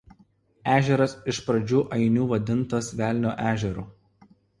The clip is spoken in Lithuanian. Ežeras iš pradžių ainų vadintas "Velnio ežeru".